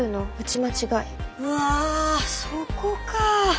うわそこか。